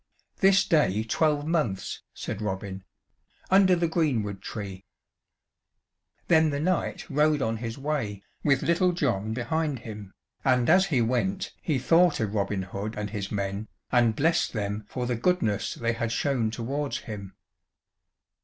"This day twelve months," said Robin, "under the greenwood tree." Then the knight rode on his way, with Little John behind him, and as he went he thought of Robin Hood and his men, and blessed them for the goodness they had shown towards him.